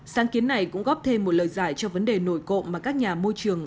sáng kiến này cũng góp thêm một lời giải cho vấn đề nổi cộng mà các nhà môi trường